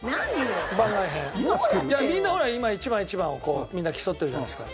みんなほら今１番１番をこうみんな競ってるじゃないですか。